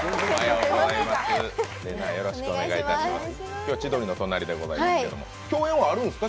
今日は千鳥の隣ですけれども共演はあるんですか？